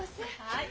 はい。